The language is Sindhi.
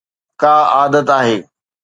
ڪا عادت آهي.